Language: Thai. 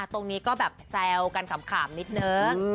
ตรงนี้ก็แบบแซวกันขำนิดนึง